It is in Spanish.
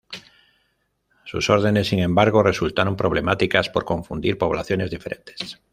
Sus órdenes, sin embargo, resultaron problemáticas, por confundir poblaciones diferentes.